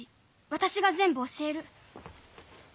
私が全部教える。